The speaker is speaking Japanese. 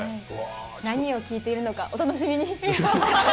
何を聴いているのか、お楽しみに！